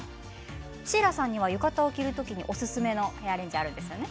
シーラさんには、浴衣を着る時のおすすめなヘアアレンジがあるんですね。